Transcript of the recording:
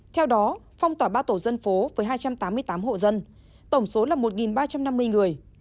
theo đó phong tỏa ba tổ dân phố với hai trăm tám mươi tám hộ dân tổng số là một ba trăm năm mươi người